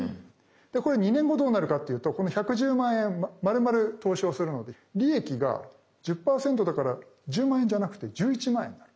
でこれ２年後どうなるかっていうとこの１１０万円まるまる投資をするので利益が１０％だから１０万円じゃなくて１１万円になる。